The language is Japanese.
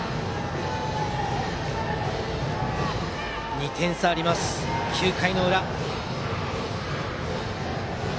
２点差あります、９回の裏。